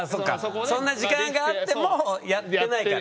そんな時間があってもやってないから。